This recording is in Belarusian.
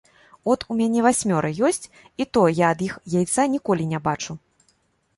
От у мяне васьмёра ёсць, і то я ад іх яйца ніколі не бачу.